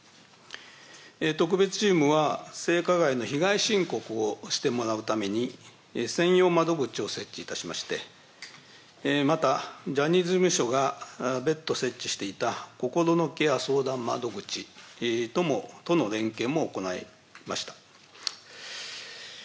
特別チームは、性加害の被害申告をしてもらうために、専用窓口を設置いたしまして、また、ジャニーズ事務所が別途設置していた心のケア相談窓口との連携も行いました。